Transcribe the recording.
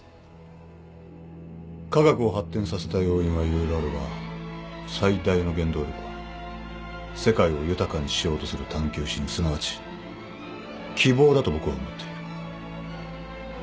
科学を発展させた要因は色々あるが最大の原動力は世界を豊かにしようとする探求心すなわち希望だと僕は思っている